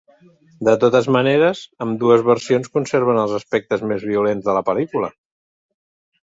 De totes maneres, ambdues versions conserven els aspectes més violents de la pel·lícula.